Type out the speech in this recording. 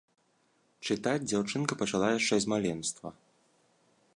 Чытаць дзяўчынка пачала яшчэ з маленства.